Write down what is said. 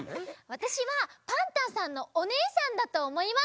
わたしはパンタンさんのおねえさんだとおもいます。